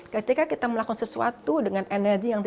ketika kita melakukan sesuatu dengan energi yang berbeda